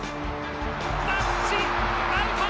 タッチアウト！